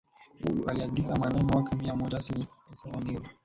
huyu aliandika mnamo mwaka mia moja sabini na saba ya kwamba Kaisari Nero